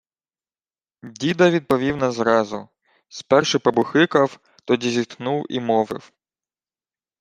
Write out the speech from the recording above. Дідо відповів не зразу. Спершу побухикав, тоді зітхнув і мовив: